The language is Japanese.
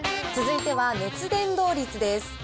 続いては熱伝導率です。